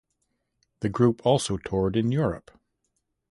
The group also toured in Europe.